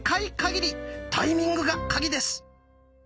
タイミングが鍵です！